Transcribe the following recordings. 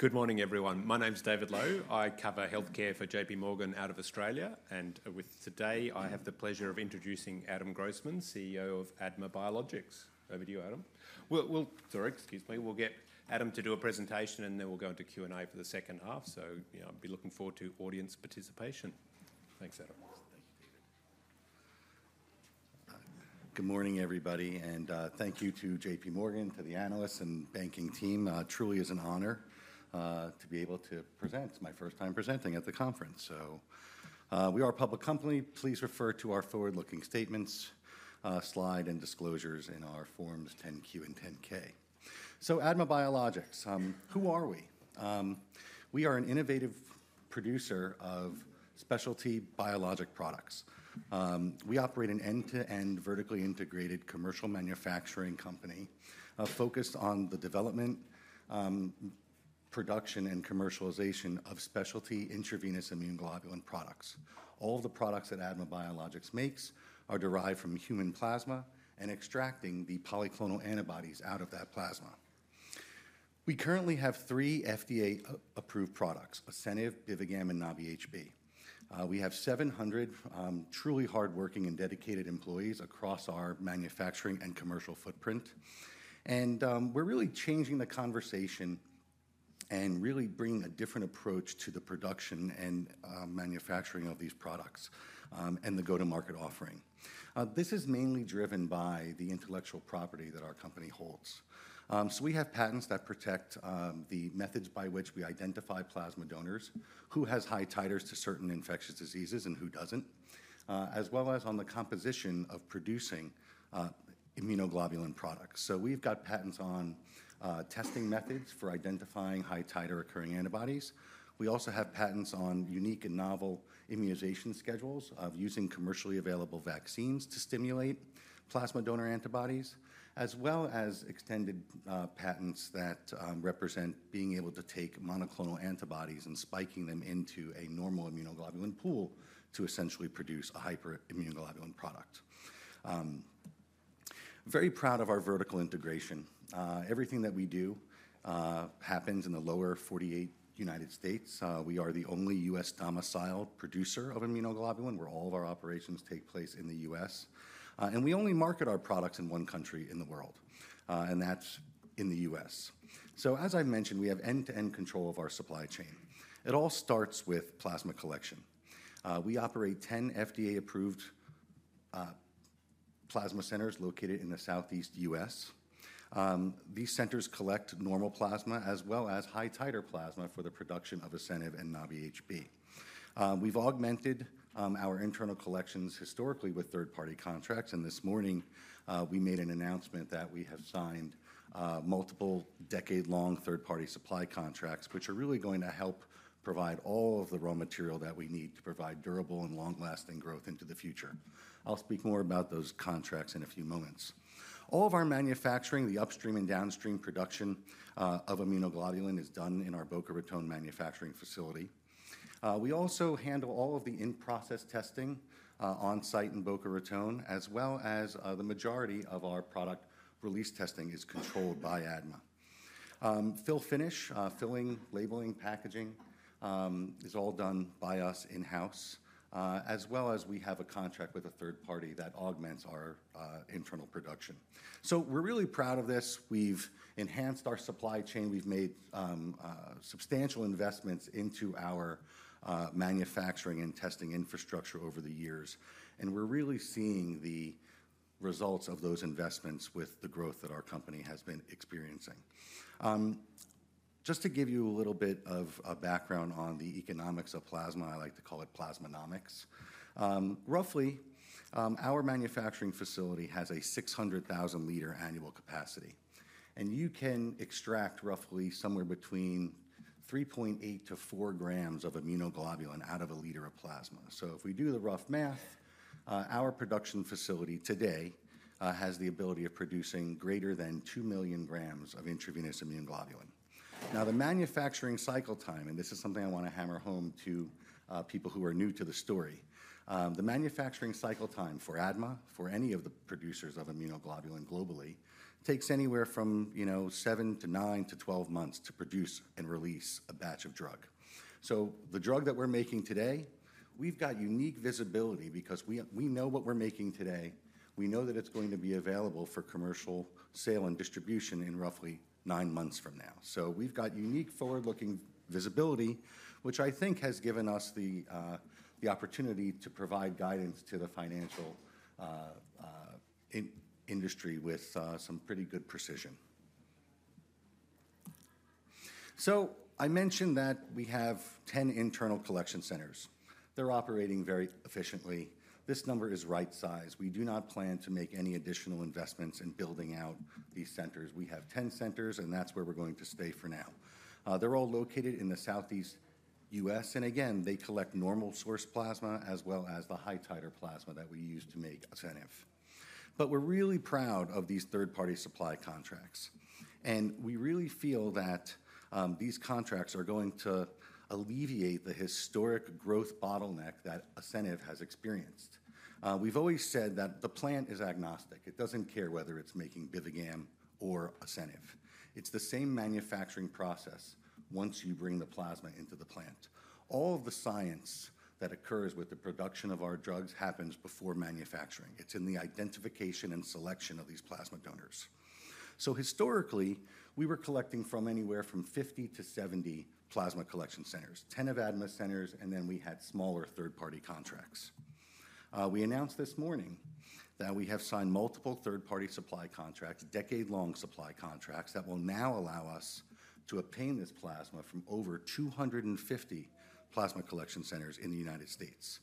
Good morning, everyone. My name's David Lowe. I cover healthcare for JPMorgan out of Australia, and with me today I have the pleasure of introducing Adam Grossman, CEO of ADMA Biologics. Over to you, Adam. We'll get Adam to do a presentation, and then we'll go into Q&A for the second half, so I'll be looking forward to audience participation. Thanks, Adam. Thank you, David. Good morning, everybody, and thank you to JPMorgan, to the analysts and banking team. It truly is an honor to be able to present. It's my first time presenting at the conference, so we are a public company. Please refer to our forward-looking statements, slide, and disclosures in our Forms 10-Q and 10-K. So ADMA Biologics, who are we? We are an innovative producer of specialty biologic products. We operate an end-to-end vertically integrated commercial manufacturing company focused on the development, production, and commercialization of specialty intravenous immune globulin products. All the products that ADMA Biologics makes are derived from human plasma and extracting the polyclonal antibodies out of that plasma. We currently have three FDA-approved products: ASCENIV, BIVIGAM, and Nabi-HB. We have 700 truly hardworking and dedicated employees across our manufacturing and commercial footprint, and we're really changing the conversation and really bringing a different approach to the production and manufacturing of these products and the go-to-market offering. This is mainly driven by the intellectual property that our company holds. So we have patents that protect the methods by which we identify plasma donors, who has high titers to certain infectious diseases and who doesn't, as well as on the composition of producing immunoglobulin products. So we've got patents on testing methods for identifying high-titer occurring antibodies. We also have patents on unique and novel immunization schedules of using commercially available vaccines to stimulate plasma donor antibodies, as well as extended patents that represent being able to take monoclonal antibodies and spiking them into a normal immunoglobulin pool to essentially produce a hyper-immunoglobulin product. Very proud of our vertical integration. Everything that we do happens in the lower 48 United States. We are the only U.S. domiciled producer of immunoglobulin. All of our operations take place in the U.S., and we only market our products in one country in the world, and that's in the U.S., so as I mentioned, we have end-to-end control of our supply chain. It all starts with plasma collection. We operate 10 FDA-approved plasma centers located in the southeast U.S. These centers collect normal plasma as well as high-titer plasma for the production of ASCENIV and Nabi-HB. We've augmented our internal collections historically with third-party contracts, and this morning we made an announcement that we have signed multiple decade-long third-party supply contracts, which are really going to help provide all of the raw material that we need to provide durable and long-lasting growth into the future. I'll speak more about those contracts in a few moments. All of our manufacturing, the upstream and downstream production of immunoglobulin, is done in our Boca Raton manufacturing facility. We also handle all of the in-process testing on site in Boca Raton, as well as the majority of our product release testing is controlled by ADMA. Fill, finish, filling, labeling, packaging is all done by us in-house, as well as we have a contract with a third party that augments our internal production. So we're really proud of this. We've enhanced our supply chain. We've made substantial investments into our manufacturing and testing infrastructure over the years, and we're really seeing the results of those investments with the growth that our company has been experiencing. Just to give you a little bit of background on the economics of plasma, I like to call it Plasmonomics. Roughly, our manufacturing facility has a 600,000-liter annual capacity, and you can extract roughly somewhere between 3.8 to 4 grams of immunoglobulin out of a liter of plasma. So if we do the rough math, our production facility today has the ability of producing greater than 2 million grams of intravenous immunoglobulin. Now, the manufacturing cycle time, and this is something I want to hammer home to people who are new to the story, the manufacturing cycle time for ADMA, for any of the producers of immunoglobulin globally, takes anywhere from 7 to 9 to 12 months to produce and release a batch of drug. So the drug that we're making today, we've got unique visibility because we know what we're making today. We know that it's going to be available for commercial sale and distribution in roughly nine months from now. We've got unique forward-looking visibility, which I think has given us the opportunity to provide guidance to the financial industry with some pretty good precision. I mentioned that we have 10 internal collection centers. They're operating very efficiently. This number is right-sized. We do not plan to make any additional investments in building out these centers. We have 10 centers, and that's where we're going to stay for now. They're all located in the Southeast U.S., and again, they collect normal source plasma as well as the high-titer plasma that we use to make ASCENIV. We're really proud of these third-party supply contracts, and we really feel that these contracts are going to alleviate the historic growth bottleneck that ASCENIV has experienced. We've always said that the plant is agnostic. It doesn't care whether it's making BIVIGAM or ASCENIV. It's the same manufacturing process once you bring the plasma into the plant. All of the science that occurs with the production of our drugs happens before manufacturing. It's in the identification and selection of these plasma donors. So historically, we were collecting from anywhere from 50-70 plasma collection centers, 10 of ADMA centers, and then we had smaller third-party contracts. We announced this morning that we have signed multiple third-party supply contracts, decade-long supply contracts that will now allow us to obtain this plasma from over 250 plasma collection centers in the United States.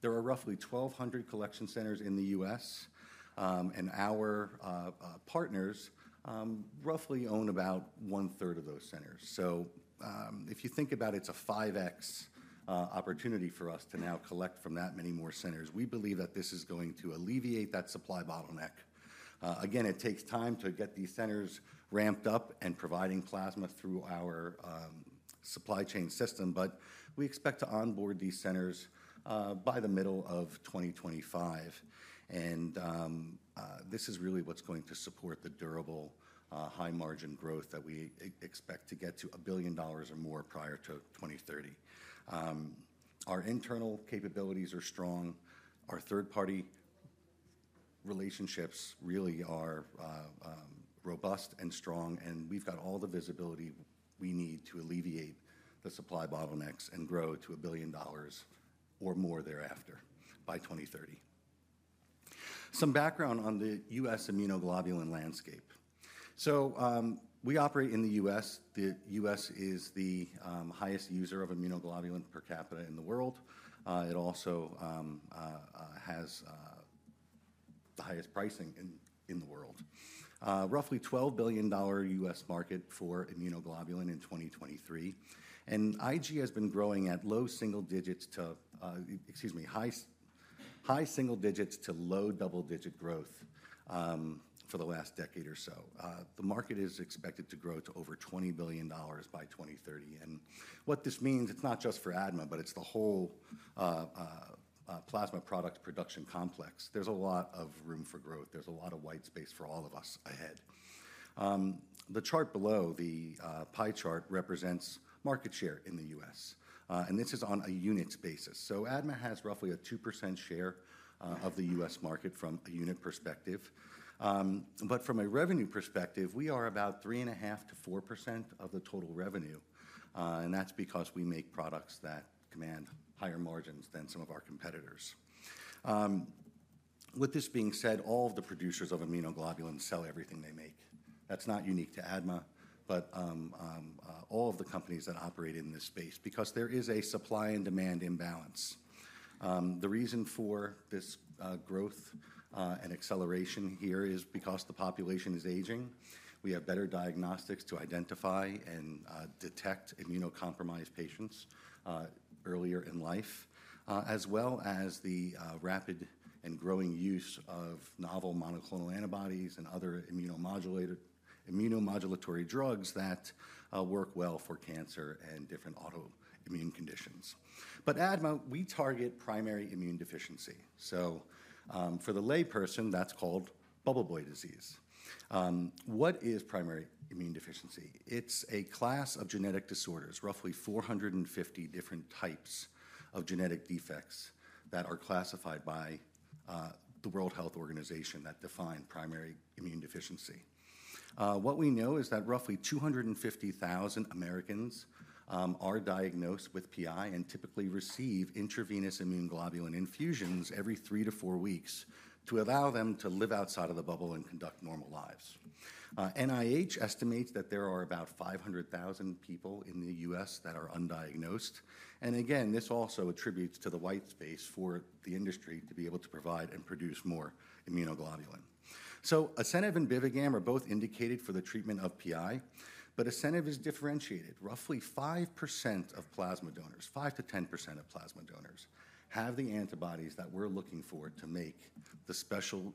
There are roughly 1,200 collection centers in the U.S., and our partners roughly own about one-third of those centers. So if you think about it, it's a 5X opportunity for us to now collect from that many more centers. We believe that this is going to alleviate that supply bottleneck. Again, it takes time to get these centers ramped up and providing plasma through our supply chain system, but we expect to onboard these centers by the middle of 2025, and this is really what's going to support the durable high-margin growth that we expect to get to $1 billion or more prior to 2030. Our internal capabilities are strong. Our third-party relationships really are robust and strong, and we've got all the visibility we need to alleviate the supply bottlenecks and grow to $1 billion or more thereafter by 2030. Some background on the U.S. immunoglobulin landscape. So we operate in the U.S. The U.S. is the highest user of immunoglobulin per capita in the world. It also has the highest pricing in the world. Roughly $12 billion U.S. Market for immunoglobulin in 2023, and IG has been growing at low single digits to, excuse me, high single digits to low double-digit growth for the last decade or so. The market is expected to grow to over $20 billion by 2030, and what this means, it's not just for ADMA, but it's the whole plasma product production complex. There's a lot of room for growth. There's a lot of white space for all of us ahead. The chart below, the pie chart, represents market share in the U.S., and this is on a units basis. So ADMA has roughly a 2% share of the U.S. market from a unit perspective, but from a revenue perspective, we are about 3.5%-4% of the total revenue, and that's because we make products that command higher margins than some of our competitors. With this being said, all of the producers of immunoglobulin sell everything they make. That's not unique to ADMA, but all of the companies that operate in this space, because there is a supply and demand imbalance. The reason for this growth and acceleration here is because the population is aging. We have better diagnostics to identify and detect immunocompromised patients earlier in life, as well as the rapid and growing use of novel monoclonal antibodies and other immunomodulatory drugs that work well for cancer and different autoimmune conditions. But ADMA, we target Primary Immune Deficiency. So for the layperson, that's called bubble boy disease. What is Primary Immune Deficiency? It's a class of genetic disorders, roughly 450 different types of genetic defects that are classified by the World Health Organization that define Primary Immune Deficiency. What we know is that roughly 250,000 Americans are diagnosed with PI and typically receive intravenous immunoglobulin infusions every three to four weeks to allow them to live outside of the bubble and conduct normal lives. NIH estimates that there are about 500,000 people in the U.S. that are undiagnosed, and again, this also attributes to the white space for the industry to be able to provide and produce more immunoglobulin. So ASCENIV and BIVIGAM are both indicated for the treatment of PI, but ASCENIV is differentiated. Roughly 5% of plasma donors, 5%-10% of plasma donors, have the antibodies that we're looking for to make the special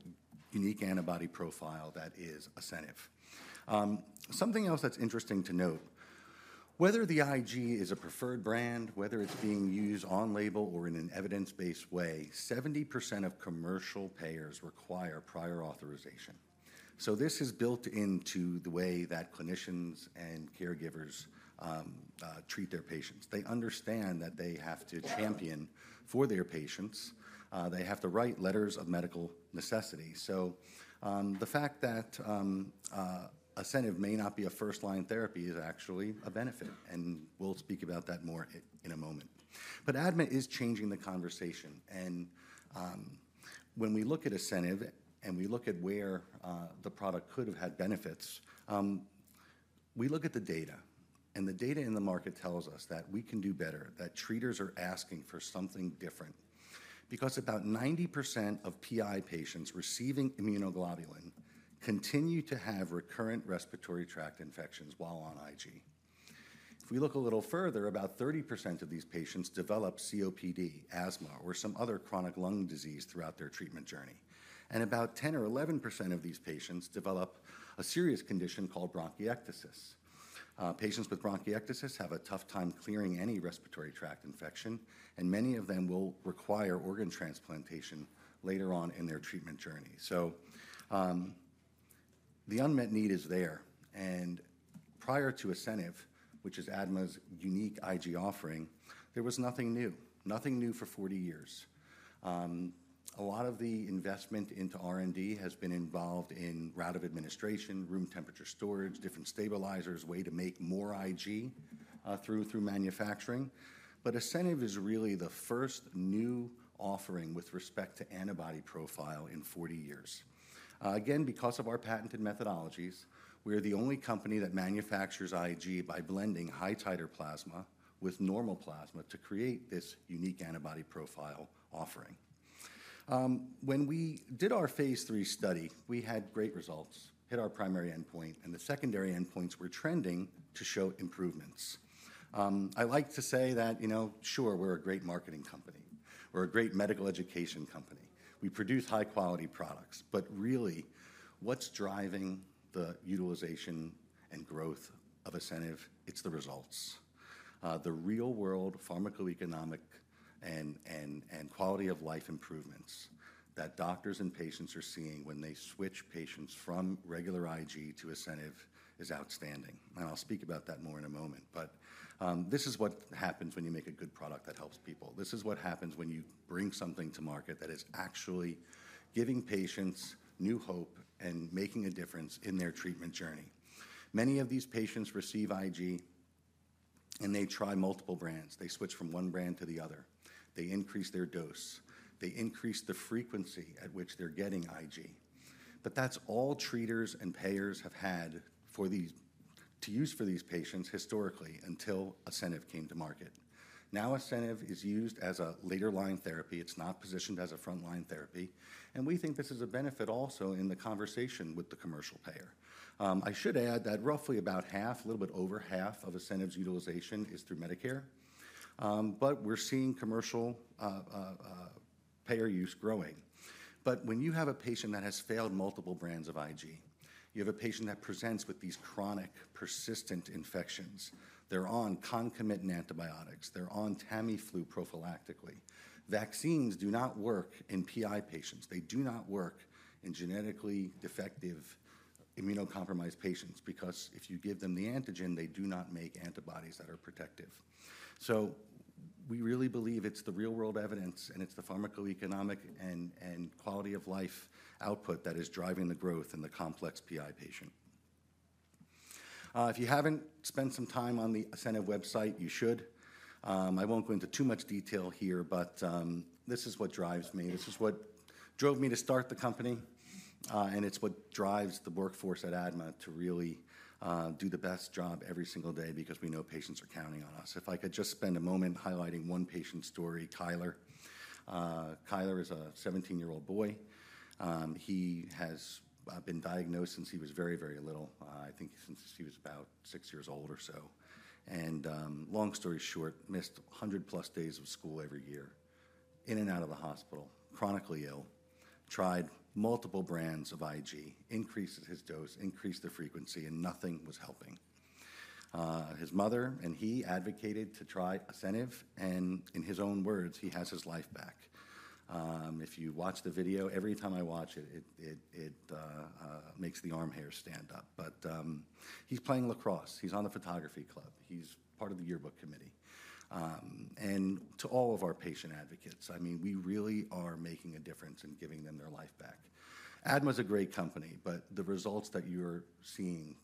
unique antibody profile that is ASCENIV. Something else that's interesting to note, whether the IG is a preferred brand, whether it's being used on label or in an evidence-based way, 70% of commercial payers require prior authorization. So this is built into the way that clinicians and caregivers treat their patients. They understand that they have to champion for their patients. They have to write letters of medical necessity. So the fact that ASCENIV may not be a first-line therapy is actually a benefit, and we'll speak about that more in a moment. But ADMA is changing the conversation, and when we look at ASCENIV and we look at where the product could have had benefits, we look at the data, and the data in the market tells us that we can do better, that treaters are asking for something different, because about 90% of PI patients receiving immunoglobulin continue to have recurrent respiratory tract infections while on IG. If we look a little further, about 30% of these patients develop COPD, asthma, or some other chronic lung disease throughout their treatment journey, and about 10 or 11% of these patients develop a serious condition called bronchiectasis. Patients with bronchiectasis have a tough time clearing any respiratory tract infection, and many of them will require organ transplantation later on in their treatment journey. So the unmet need is there, and prior to ASCENIV, which is ADMA's unique IG offering, there was nothing new, nothing new for 40 years. A lot of the investment into R&D has been involved in route of administration, room temperature storage, different stabilizers, a way to make more IG through manufacturing, but ASCENIV is really the first new offering with respect to antibody profile in 40 years. Again, because of our patented methodologies, we're the only company that manufactures IG by blending high-titer plasma with normal plasma to create this unique antibody profile offering. When we did our phase three study, we had great results, hit our primary endpoint, and the secondary endpoints were trending to show improvements. I like to say that, you know, sure, we're a great marketing company. We're a great medical education company. We produce high-quality products, but really, what's driving the utilization and growth of ASCENIV? It's the results. The real-world pharmacoeconomic and quality-of-life improvements that doctors and patients are seeing when they switch patients from regular IG to ASCENIV is outstanding, and I'll speak about that more in a moment, but this is what happens when you make a good product that helps people. This is what happens when you bring something to market that is actually giving patients new hope and making a difference in their treatment journey. Many of these patients receive IG, and they try multiple brands. They switch from one brand to the other. They increase their dose. They increase the frequency at which they're getting IG, but that's all treaters and payers have had to use for these patients historically until ASCENIV came to market. Now ASCENIV is used as a later-line therapy. It's not positioned as a front-line therapy, and we think this is a benefit also in the conversation with the commercial payer. I should add that roughly about half, a little bit over half of ASCENIV's utilization is through Medicare, but we're seeing commercial payer use growing. But when you have a patient that has failed multiple brands of IG, you have a patient that presents with these chronic persistent infections. They're on concomitant antibiotics. They're on Tamiflu prophylactically. Vaccines do not work in PI patients. They do not work in genetically defective immunocompromised patients because if you give them the antigen, they do not make antibodies that are protective. So we really believe it's the real-world evidence, and it's the pharmacoeconomic and quality-of-life output that is driving the growth in the complex PI patient. If you haven't spent some time on the ASCENIV website, you should. I won't go into too much detail here, but this is what drives me. This is what drove me to start the company, and it's what drives the workforce at ADMA to really do the best job every single day because we know patients are counting on us. If I could just spend a moment highlighting one patient's story, Tyler. Tyler is a 17-year-old boy. He has been diagnosed since he was very, very little, I think since he was about six years old or so, and long story short, missed 100-plus days of school every year, in and out of the hospital, chronically ill, tried multiple brands of IG, increased his dose, increased the frequency, and nothing was helping. His mother and he advocated to try ASCENIV, and in his own words, he has his life back. If you watch the video, every time I watch it, it makes the arm hairs stand up, but he's playing lacrosse. He's on the photography club. He's part of the yearbook committee, and to all of our patient advocates, I mean, we really are making a difference in giving them their life back. ADMA is a great company, but the results that you're seeing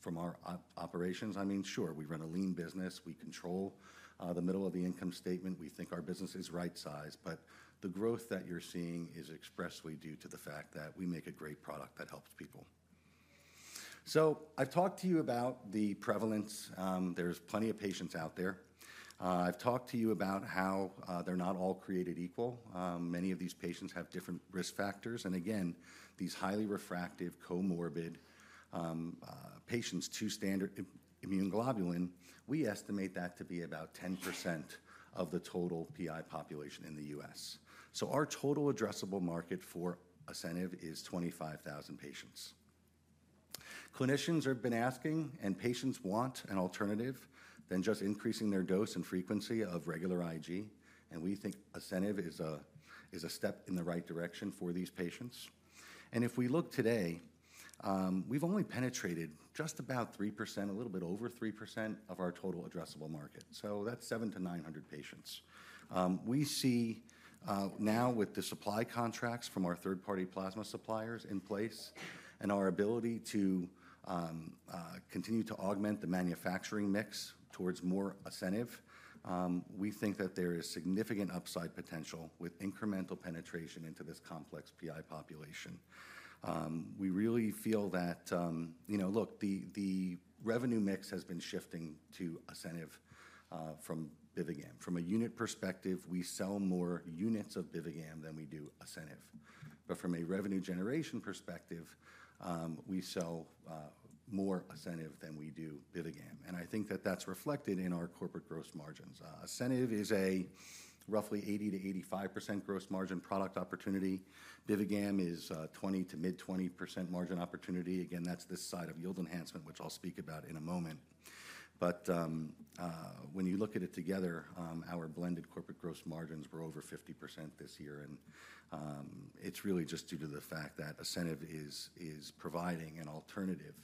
from our operations, I mean, sure, we run a lean business. We control the middle of the income statement. We think our business is right-sized, but the growth that you're seeing is expressly due to the fact that we make a great product that helps people. So I've talked to you about the prevalence. There's plenty of patients out there. I've talked to you about how they're not all created equal. Many of these patients have different risk factors, and again, these highly refractive comorbid patients to standard immunoglobulin, we estimate that to be about 10% of the total PI population in the U.S. So our total addressable market for ASCENIV is 25,000 patients. Clinicians have been asking, and patients want an alternative than just increasing their dose and frequency of regular IG, and we think ASCENIV is a step in the right direction for these patients, and if we look today, we've only penetrated just about 3%, a little bit over 3% of our total addressable market, so that's 700-900 patients. We see now with the supply contracts from our third-party plasma suppliers in place and our ability to continue to augment the manufacturing mix towards more ASCENIV, we think that there is significant upside potential with incremental penetration into this complex PI population. We really feel that, you know, look, the revenue mix has been shifting to ASCENIV from BIVIGAM. From a unit perspective, we sell more units of BIVIGAM than we do ASCENIV, but from a revenue generation perspective, we sell more ASCENIV than we do BIVIGAM, and I think that that's reflected in our corporate gross margins. ASCENIV is a roughly 80%-85% gross margin product opportunity. BIVIGAM is 20% to mid-20% margin opportunity. Again, that's this side of yield enhancement, which I'll speak about in a moment, but when you look at it together, our blended corporate gross margins were over 50% this year, and it's really just due to the fact that ASCENIV is providing an alternative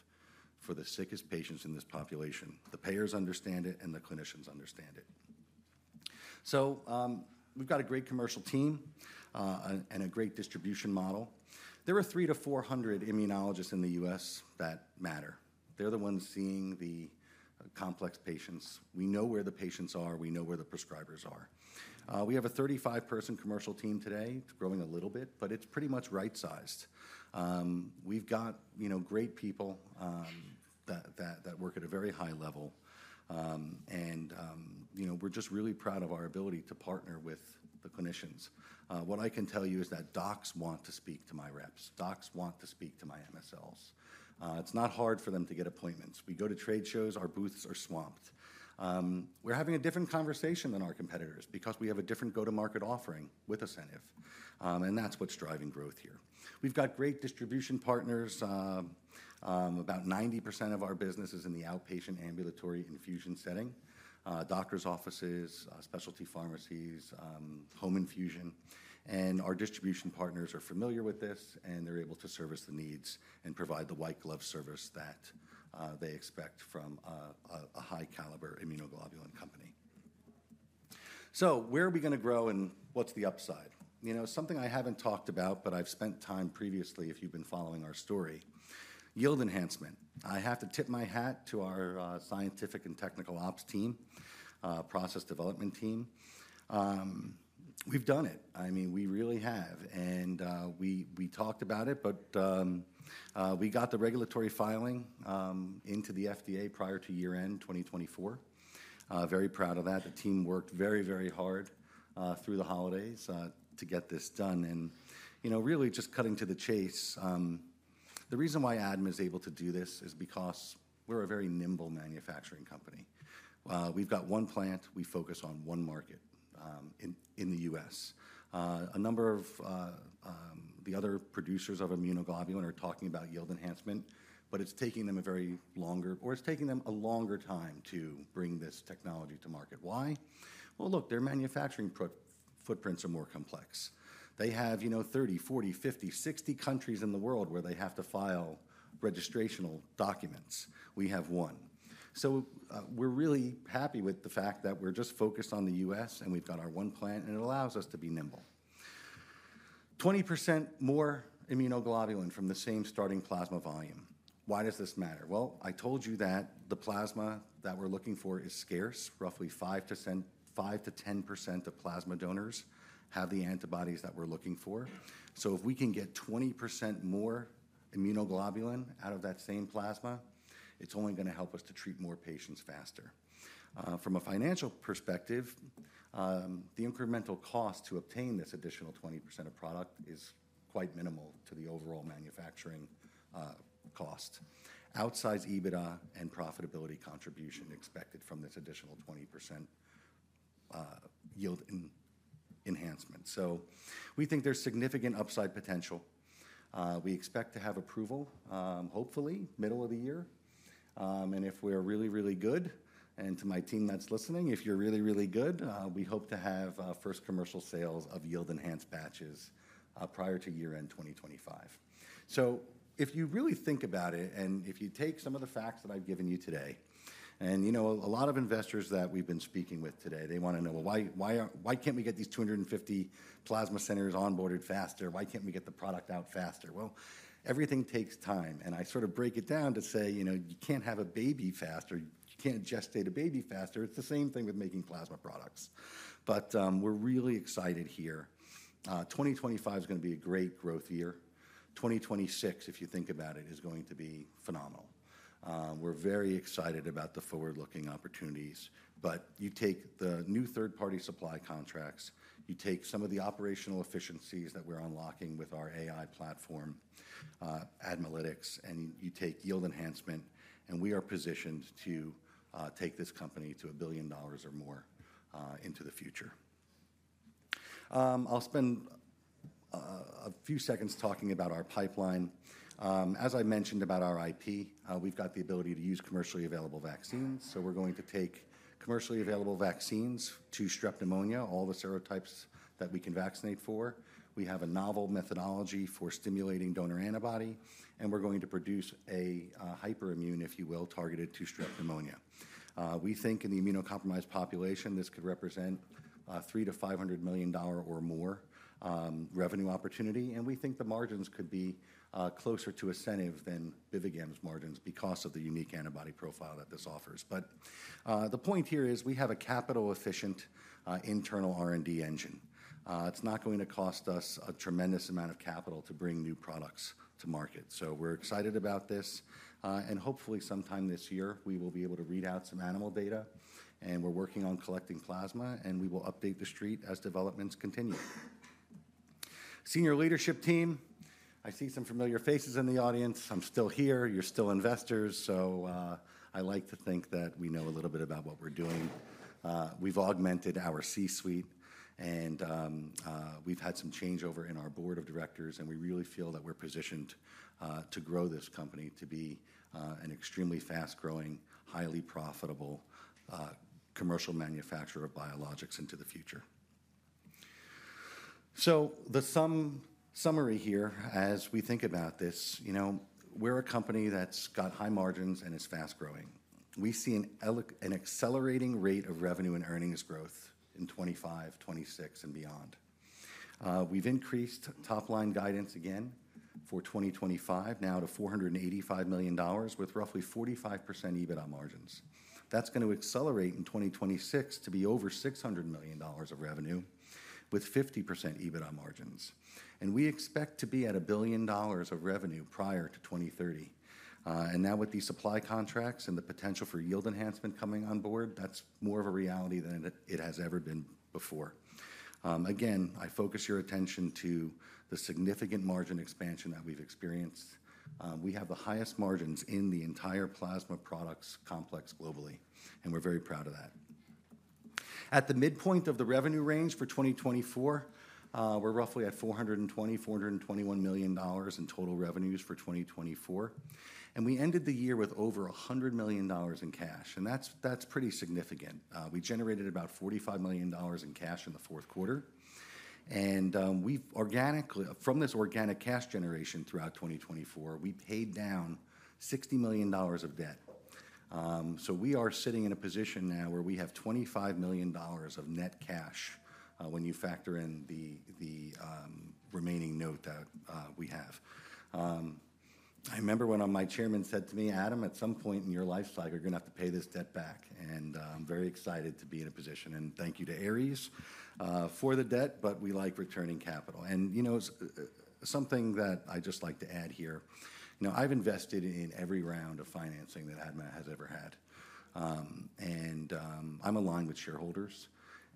for the sickest patients in this population. The payers understand it, and the clinicians understand it. So we've got a great commercial team and a great distribution model. There are 300-400 immunologists in the U.S. that matter. They're the ones seeing the complex patients. We know where the patients are. We know where the prescribers are. We have a 35-person commercial team today. It's growing a little bit, but it's pretty much right-sized. We've got, you know, great people that work at a very high level, and, you know, we're just really proud of our ability to partner with the clinicians. What I can tell you is that docs want to speak to my reps. Docs want to speak to my MSLs. It's not hard for them to get appointments. We go to trade shows. Our booths are swamped. We're having a different conversation than our competitors because we have a different go-to-market offering with ASCENIV, and that's what's driving growth here. We've got great distribution partners. About 90% of our business is in the outpatient ambulatory infusion setting: doctor's offices, specialty pharmacies, home infusion, and our distribution partners are familiar with this, and they're able to service the needs and provide the white glove service that they expect from a high-caliber immunoglobulin company. So where are we going to grow, and what's the upside? You know, something I haven't talked about, but I've spent time previously, if you've been following our story: yield enhancement. I have to tip my hat to our scientific and technical ops team, process development team. We've done it. I mean, we really have, and we talked about it, but we got the regulatory filing into the FDA prior to year-end 2024. Very proud of that. The team worked very, very hard through the holidays to get this done, and, you know, really just cutting to the chase, the reason why ADMA is able to do this is because we're a very nimble manufacturing company. We've got one plant. We focus on one market in the U.S. A number of the other producers of immunoglobulin are talking about yield enhancement, but it's taking them a longer time to bring this technology to market. Why? Well, look, their manufacturing footprints are more complex. They have, you know, 30, 40, 50, 60 countries in the world where they have to file registrational documents. We have one. So we're really happy with the fact that we're just focused on the U.S., and we've got our one plant, and it allows us to be nimble. 20% more immunoglobulin from the same starting plasma volume. Why does this matter? Well, I told you that the plasma that we're looking for is scarce. Roughly 5%-10% of plasma donors have the antibodies that we're looking for. So if we can get 20% more immunoglobulin out of that same plasma, it's only going to help us to treat more patients faster. From a financial perspective, the incremental cost to obtain this additional 20% of product is quite minimal to the overall manufacturing cost, outsized EBITDA and profitability contribution expected from this additional 20% yield enhancement. So we think there's significant upside potential. We expect to have approval, hopefully, middle of the year, and if we're really, really good, and to my team that's listening, if you're really, really good, we hope to have first commercial sales of yield-enhanced batches prior to year-end 2025. So if you really think about it, and if you take some of the facts that I've given you today, and you know, a lot of investors that we've been speaking with today, they want to know, well, why can't we get these 250 plasma centers onboarded faster? Why can't we get the product out faster? Well, everything takes time, and I sort of break it down to say, you know, you can't have a baby faster. You can't gestate a baby faster. It's the same thing with making plasma products, but we're really excited here. 2025 is going to be a great growth year. 2026, if you think about it, is going to be phenomenal. We're very excited about the forward-looking opportunities, but you take the new third-party supply contracts, you take some of the operational efficiencies that we're unlocking with our AI platform, dmalytics, and you take yield enhancement, and we are positioned to take this company to $1 billion or more into the future. I'll spend a few seconds talking about our pipeline. As I mentioned about our IP, we've got the ability to use commercially available vaccines. So we're going to take commercially available vaccines to Strep pneumonia, all the serotypes that we can vaccinate for. We have a novel methodology for stimulating donor antibody, and we're going to produce a hyperimmune, if you will, targeted to Strep pneumonia. We think in the immunocompromised population, this could represent $300-$500 million or more revenue opportunity, and we think the margins could be closer to ASCENIV than BIVIGAM's margins because of the unique antibody profile that this offers. But the point here is we have a capital-efficient internal R&D engine. It's not going to cost us a tremendous amount of capital to bring new products to market. So we're excited about this, and hopefully sometime this year, we will be able to read out some animal data, and we're working on collecting plasma, and we will update the street as developments continue. Senior leadership team, I see some familiar faces in the audience. I'm still here. You're still investors, so I like to think that we know a little bit about what we're doing. We've augmented our C-suite, and we've had some changeover in our board of directors, and we really feel that we're positioned to grow this company to be an extremely fast-growing, highly profitable commercial manufacturer of biologics into the future. So the summary here, as we think about this, you know, we're a company that's got high margins and is fast-growing. We see an accelerating rate of revenue and earnings growth in 2025, 2026, and beyond. We've increased top-line guidance again for 2025 now to $485 million with roughly 45% EBITDA margins. That's going to accelerate in 2026 to be over $600 million of revenue with 50% EBITDA margins, and we expect to be at $1 billion of revenue prior to 2030. And now with these supply contracts and the potential for yield enhancement coming on board, that's more of a reality than it has ever been before. Again, I focus your attention to the significant margin expansion that we've experienced. We have the highest margins in the entire plasma products complex globally, and we're very proud of that. At the midpoint of the revenue range for 2024, we're roughly at $420-$421 million in total revenues for 2024, and we ended the year with over $100 million in cash, and that's pretty significant. We generated about $45 million in cash in the fourth quarter, and we've organically, from this organic cash generation throughout 2024, we paid down $60 million of debt. So we are sitting in a position now where we have $25 million of net cash when you factor in the remaining note that we have. I remember when my chairman said to me, "Adam, at some point in your lifecycle, you're going to have to pay this debt back," and I'm very excited to be in a position, and thank you to Ares for the debt, but we like returning capital. And you know, something that I just like to add here, you know, I've invested in every round of financing that ADMA has ever had, and I'm aligned with shareholders,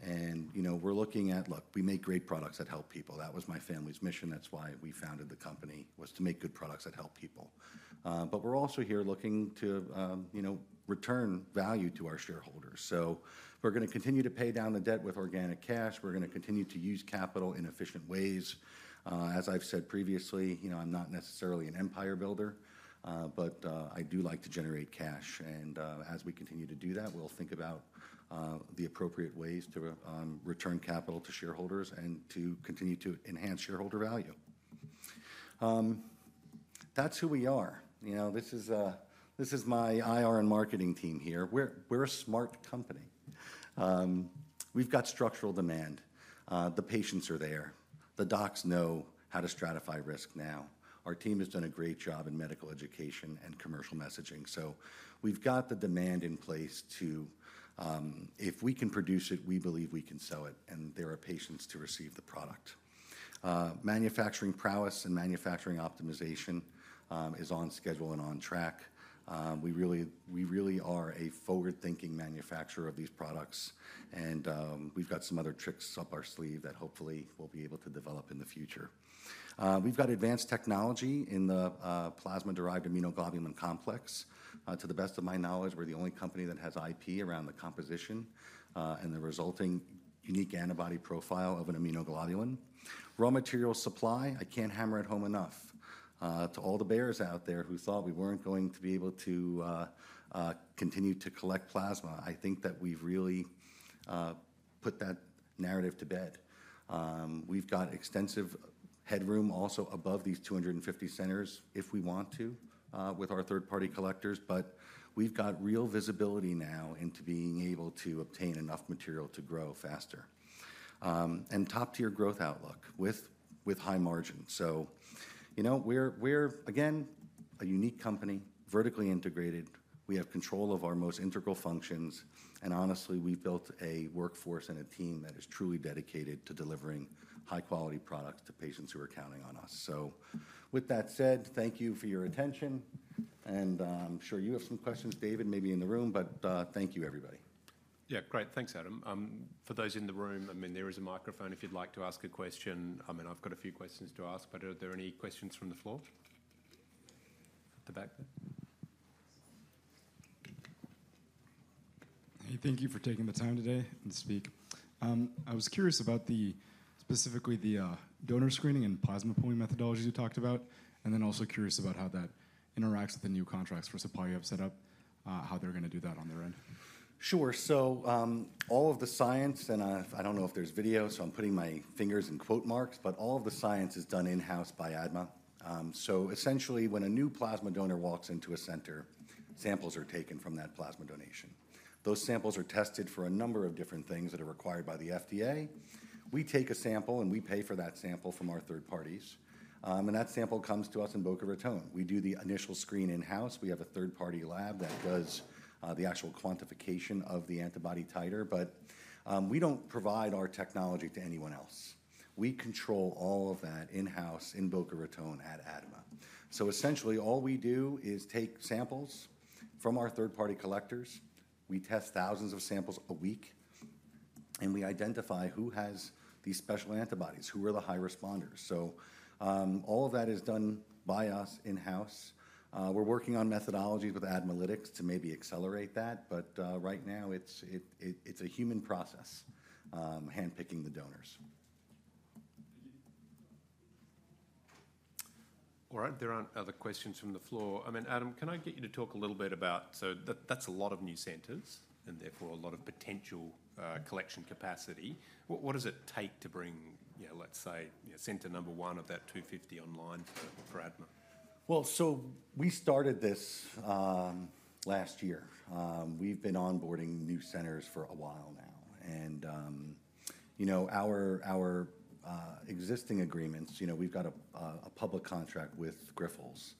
and you know, we're looking at, look, we make great products that help people. That was my family's mission. That's why we founded the company, was to make good products that help people, but we're also here looking to, you know, return value to our shareholders. So we're going to continue to pay down the debt with organic cash. We're going to continue to use capital in efficient ways. As I've said previously, you know, I'm not necessarily an empire builder, but I do like to generate cash, and as we continue to do that, we'll think about the appropriate ways to return capital to shareholders and to continue to enhance shareholder value. That's who we are. You know, this is my IR and marketing team here. We're a smart company. We've got structural demand. The patients are there. The docs know how to stratify risk now. Our team has done a great job in medical education and commercial messaging. So we've got the demand in place to, if we can produce it, we believe we can sell it, and there are patients to receive the product. Manufacturing prowess and manufacturing optimization is on schedule and on track. We really are a forward-thinking manufacturer of these products, and we've got some other tricks up our sleeve that hopefully we'll be able to develop in the future. We've got advanced technology in the plasma-derived immunoglobulin complex. To the best of my knowledge, we're the only company that has IP around the composition and the resulting unique antibody profile of an immunoglobulin. Raw material supply, I can't hammer it home enough to all the bears out there who thought we weren't going to be able to continue to collect plasma. I think that we've really put that narrative to bed. We've got extensive headroom also above these 250 centers if we want to with our third-party collectors, but we've got real visibility now into being able to obtain enough material to grow faster and top-tier growth outlook with high margins. So, you know, we're, again, a unique company, vertically integrated. We have control of our most integral functions, and honestly, we've built a workforce and a team that is truly dedicated to delivering high-quality products to patients who are counting on us. So with that said, thank you for your attention, and I'm sure you have some questions, David, maybe in the room, but thank you, everybody. Yeah, great. Thanks, Adam. For those in the room, I mean, there is a microphone if you'd like to ask a question. I mean, I've got a few questions to ask, but are there any questions from the floor? At the back there? Hey, thank you for taking the time today to speak. I was curious about specifically the donor screening and plasma pooling methodologies you talked about, and then also curious about how that interacts with the new contracts for supply you have set up, how they're going to do that on their end. Sure, so all of the science, and I don't know if there's video, so I'm putting my fingers in quote marks, but all of the science is done in-house by ADMA. So essentially, when a new plasma donor walks into a center, samples are taken from that plasma donation. Those samples are tested for a number of different things that are required by the FDA. We take a sample, and we pay for that sample from our third parties, and that sample comes to us in Boca Raton. We do the initial screen in-house. We have a third-party lab that does the actual quantification of the antibody titer, but we don't provide our technology to anyone else. We control all of that in-house in Boca Raton at ADMA. So essentially, all we do is take samples from our third-party collectors. We test thousands of samples a week, and we identify who has these special antibodies, who are the high responders. So all of that is done by us in-house. We're working on methodologies with Admalytics to maybe accelerate that, but right now, it's a human process handpicking the donors. Thank you. All right. There aren't other questions from the floor. I mean, Adam, can I get you to talk a little bit about, so that's a lot of new centers and therefore a lot of potential collection capacity. What does it take to bring, you know, let's say, you know, center number one of that 250 online for ADMA? We started this last year. We've been onboarding new centers for a while now, and you know, our existing agreements, you know, we've got a public contract with Grifols,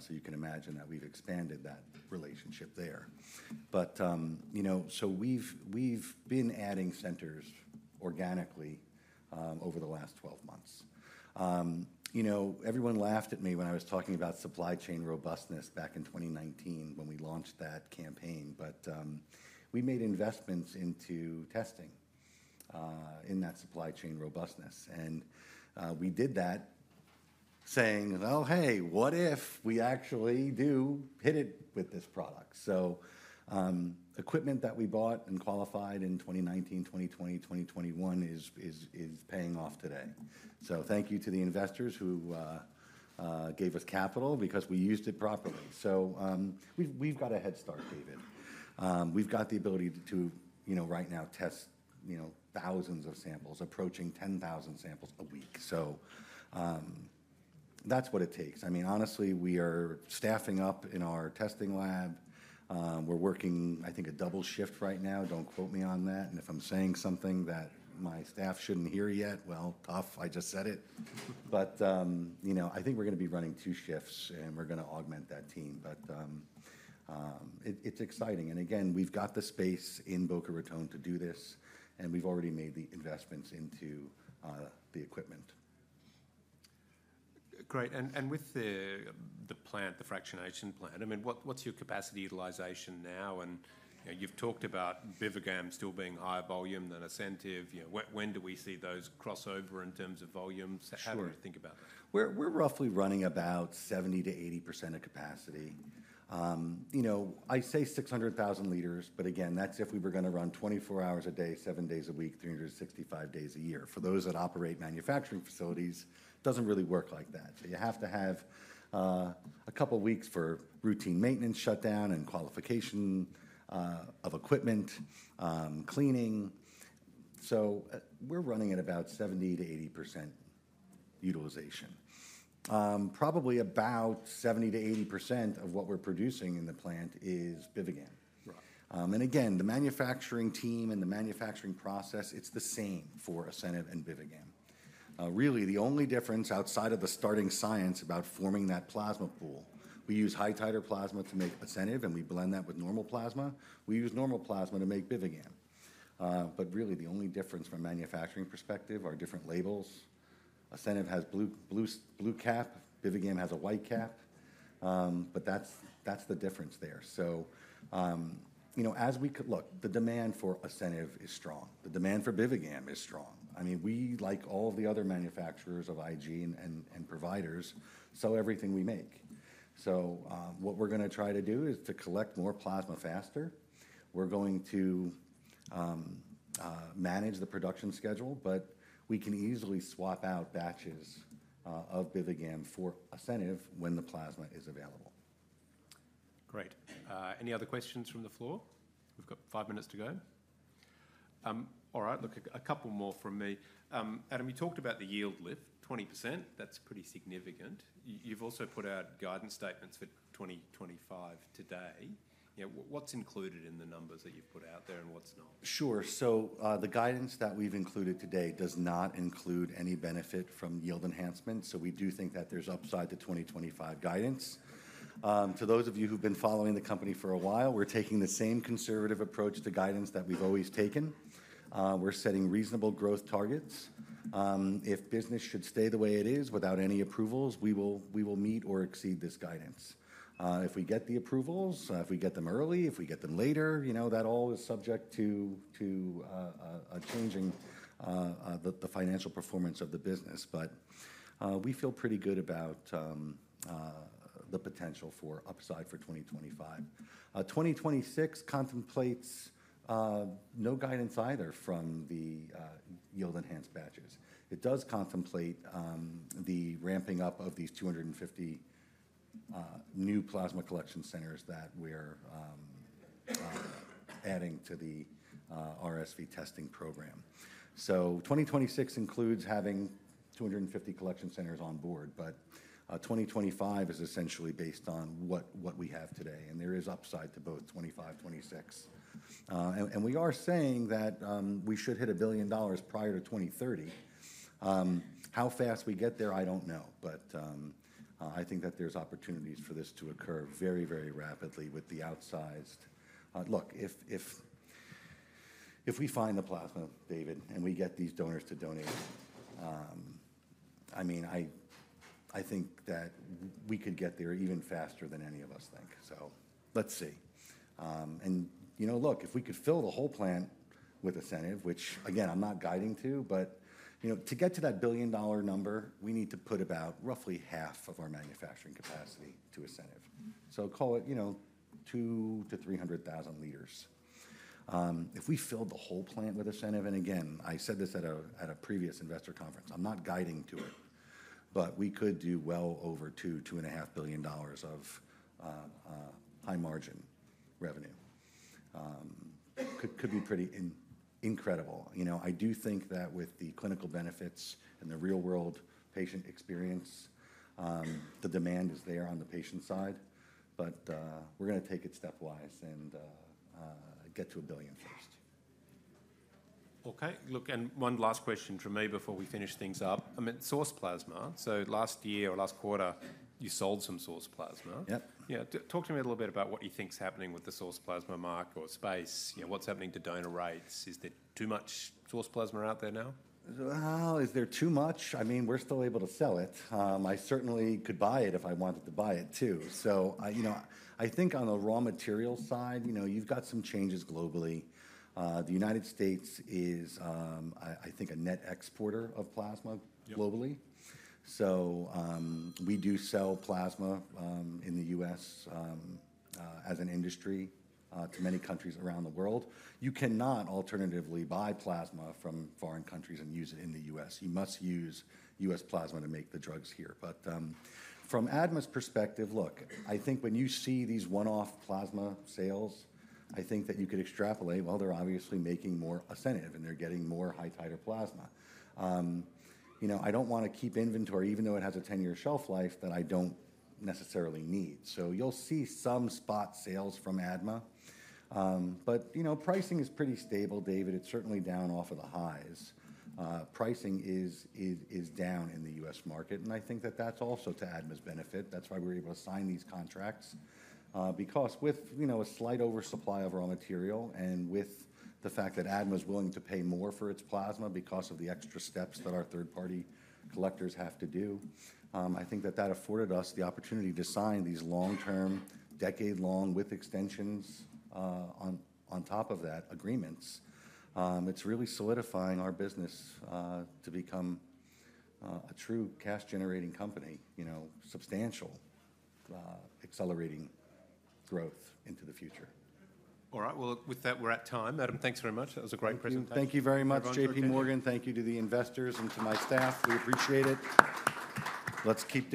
so you can imagine that we've expanded that relationship there. You know, so we've been adding centers organically over the last 12 months. You know, everyone laughed at me when I was talking about supply chain robustness back in 2019 when we launched that campaign, but we made investments into testing in that supply chain robustness, and we did that saying, "Oh, hey, what if we actually do hit it with this product?" Equipment that we bought and qualified in 2019, 2020, 2021 is paying off today. Thank you to the investors who gave us capital because we used it properly. So we've got a head start, David. We've got the ability to, you know, right now test, you know, thousands of samples, approaching 10,000 samples a week. So that's what it takes. I mean, honestly, we are staffing up in our testing lab. We're working, I think, a double shift right now. Don't quote me on that. And if I'm saying something that my staff shouldn't hear yet, well, tough, I just said it. But you know, I think we're going to be running two shifts, and we're going to augment that team, but it's exciting. And again, we've got the space in Boca Raton to do this, and we've already made the investments into the equipment. Great. And with the plant, the fractionation plant, I mean, what's your capacity utilization now? You know, you've talked about BIVIGAM still being higher volume than ASCENIV. You know, when do we see those crossover in terms of volumes? How do you think about that? Sure. We're roughly running about 70%-80% of capacity. You know, I say 600,000 liters, but again, that's if we were going to run 24 hours a day, seven days a week, 365 days a year. For those that operate manufacturing facilities, it doesn't really work like that. So you have to have a couple of weeks for routine maintenance shutdown and qualification of equipment, cleaning. So we're running at about 70%-80% utilization. Probably about 70%-80% of what we're producing in the plant is BIVIGAM. And again, the manufacturing team and the manufacturing process, it's the same for ASCENIV and BIVIGAM. Really, the only difference outside of the starting science about forming that plasma pool, we use high-titer plasma to make ASCENIV, and we blend that with normal plasma. We use normal plasma to make BIVIGAM. But really, the only difference from a manufacturing perspective are different labels. ASCENIV has a blue cap. BIVIGAM has a white cap, but that's the difference there. So, you know, as we look, the demand for ASCENIV is strong. The demand for BIVIGAM is strong. I mean, we like all of the other manufacturers of IG and providers, so everything we make. So what we're going to try to do is to collect more plasma faster. We're going to manage the production schedule, but we can easily swap out batches of BIVIGAM for ASCENIV when the plasma is available. Great. Any other questions from the floor? We've got five minutes to go. All right. Look, a couple more from me. Adam, you talked about the yield lift, 20%. That's pretty significant. You've also put out guidance statements for 2025 today. You know, what's included in the numbers that you've put out there and what's not? Sure. So the guidance that we've included today does not include any benefit from yield enhancement, so we do think that there's upside to 2025 guidance. To those of you who've been following the company for a while, we're taking the same conservative approach to guidance that we've always taken. We're setting reasonable growth targets. If business should stay the way it is without any approvals, we will meet or exceed this guidance. If we get the approvals, if we get them early, if we get them later, you know, that all is subject to changing the financial performance of the business, but we feel pretty good about the potential for upside for 2025. 2026 contemplates no guidance either from the yield-enhanced batches. It does contemplate the ramping up of these 250 new plasma collection centers that we're adding to the RSV testing program. So 2026 includes having 250 collection centers on board, but 2025 is essentially based on what we have today, and there is upside to both 25, 26. And we are saying that we should hit $1 billion prior to 2030. How fast we get there, I don't know, but I think that there's opportunities for this to occur very, very rapidly with the outsized. Look, if we find the plasma, David, and we get these donors to donate, I mean, I think that we could get there even faster than any of us think. So let's see. And you know, look, if we could fill the whole plant with ASCENIV, which again, I'm not guiding to, but you know, to get to that $1 billion number, we need to put about roughly half of our manufacturing capacity to ASCENIV. So call it, you know, 2-300,000 liters. If we filled the whole plant with ASCENIV, and again, I said this at a previous investor conference, I'm not guiding to it, but we could do well over $2-$2.5 billion of high margin revenue. Could be pretty incredible. You know, I do think that with the clinical benefits and the real-world patient experience, the demand is there on the patient side, but we're going to take it stepwise and get to $1 billion first. Okay. Look, and one last question from me before we finish things up. I mean, source plasma. So last year or last quarter, you sold some source plasma. Yep. Yeah. Talk to me a little bit about what you think's happening with the source plasma market or space. You know, what's happening to donor rates? Is there too much source plasma out there now? Well, is there too much? I mean, we're still able to sell it. I certainly could buy it if I wanted to buy it too. So, you know, I think on the raw material side, you know, you've got some changes globally. The United States is, I think, a net exporter of plasma globally. So we do sell plasma in the U.S. as an industry to many countries around the world. You cannot alternatively buy plasma from foreign countries and use it in the U.S. You must use U.S. plasma to make the drugs here. But from ADMA's perspective, look, I think when you see these one-off plasma sales, I think that you could extrapolate, well, they're obviously making more ASCENIV and they're getting more high-titer plasma. You know, I don't want to keep inventory even though it has a 10-year shelf life that I don't necessarily need. So you'll see some spot sales from ADMA, but you know, pricing is pretty stable, David. It's certainly down off of the highs. Pricing is down in the U.S. market, and I think that that's also to ADMA's benefit. That's why we were able to sign these contracts, because with, you know, a slight oversupply of raw material and with the fact that ADMA is willing to pay more for its plasma because of the extra steps that our third-party collectors have to do. I think that that afforded us the opportunity to sign these long-term, decade-long with extensions on top of that agreements. It's really solidifying our business to become a true cash-generating company, you know, substantial accelerating growth into the future. All right. Well, with that, we're at time. Adam, thanks very much. That was a great presentation. Thank you very much, JPMorgan. Thank you to the investors and to my staff. We appreciate it. Let's keep.